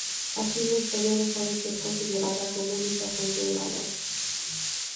Así, la historia dejó de ser considerada como única fuente de valores.